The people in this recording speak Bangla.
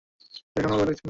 এখন আমার ভয় লাগছে না।